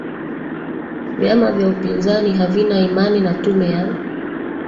vyama vya upinzani havina imani na tume ya